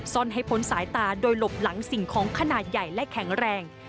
ให้พ้นสายตาโดยหลบหลังสิ่งของขนาดใหญ่และแข็งแรง